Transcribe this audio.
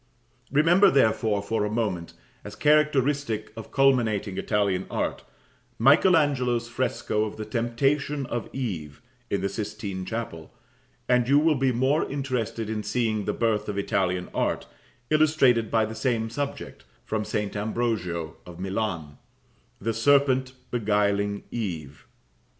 Remember, therefore, for a moment as characteristic of culminating Italian art Michael Angelo's fresco of the "Temptation of Eve," in the Sistine chapel, and you will be more interested in seeing the birth of Italian art, illustrated by the same subject, from St. Ambrogio, of Milan, the "Serpent beguiling Eve."